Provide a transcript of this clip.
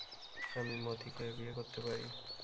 আমি মতিকে বিয়ে করতে পারি।